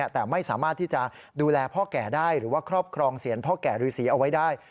แต่ไม่สามารถที่จะดูแลพ่อแก่ได้หรือว่าครอบครองเสียงพ่อแก่ฤษีเอาไว้ได้